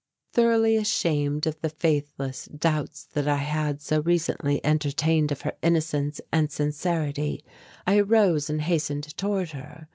Thoroughly ashamed of the faithless doubts that I had so recently entertained of her innocence and sincerity, I arose and hastened toward her.